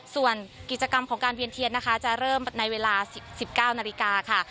ส่วนกิจกรรมของการเวียนเทียนนะคะจะเริ่มในเวลา๑๙นาฬิกาค่ะ